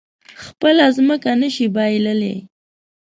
خپله ځمکه نه شي پاللی.